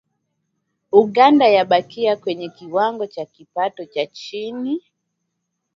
Uganda yabakia kwenye kiwango cha kipato cha chini